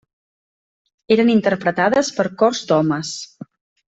Eren interpretades per cors d'homes.